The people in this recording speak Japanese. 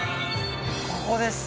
ここです